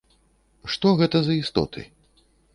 Што гэта за істоты?